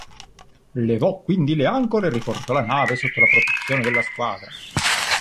Levò quindi le ancore e riporto la nave sotto la protezione della squadra.